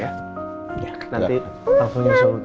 nanti aku yang suruh